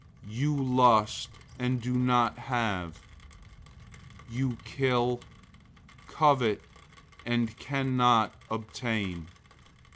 004:002 You lust, and don't have. You kill, covet, and can't obtain.